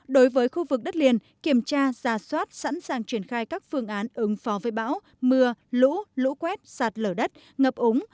đối với khu vực đất liền kiểm tra giả soát sẵn sàng triển khai các phương án ứng phó với bão mưa lũ lũ quét sạt lở đất ngập úng